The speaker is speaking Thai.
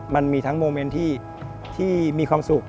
มันมีทั้งโมเมนต์ที่มีความสุข